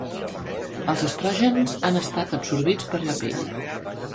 Els estrògens han estat absorbits per la pell.